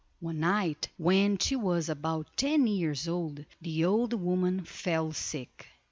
One night, when she was about ten years old, the old woman fell sick.